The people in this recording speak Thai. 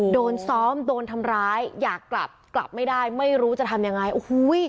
โดนซ้อมโดนทำร้ายอยากกลับกลับไม่ได้ไม่รู้จะทำยังไงโอ้โห